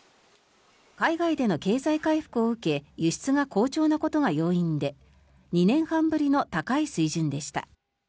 海外での経済回復を受け輸出が好調なことが要因で２年半ぶりの高い水準でした。